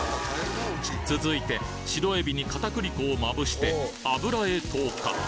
続いて白えびに片栗粉をまぶして油へ投下